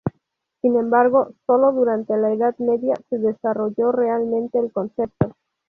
Sin embargo, sólo durante la Edad Media se desarrolló realmente el concepto.